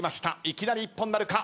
いきなり一本なるか？